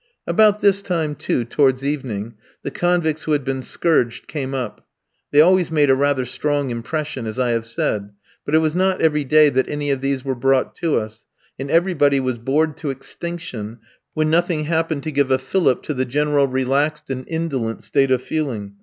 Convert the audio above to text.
About this time, too, towards evening, the convicts who had been scourged came up; they always made a rather strong impression, as I have said; but it was not every day that any of these were brought to us, and everybody was bored to extinction, when nothing happened to give a fillip to the general relaxed and indolent state of feeling.